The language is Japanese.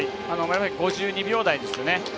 ５２秒台ですよね。